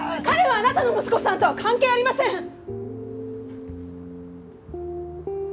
彼はあなたの息子さんとは関係ありません！